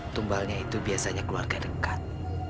tumbalnya itu biasanya keluarga dekat